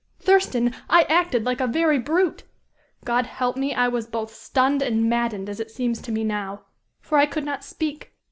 Thurston! I acted like a very brute! God help me, I was both stunned and maddened, as it seems to me now. For I could not speak.